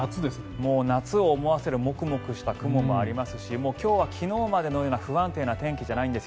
もう夏を思わせるモクモクした雲もありますし今日は昨日までのような不安定な天気じゃないんです。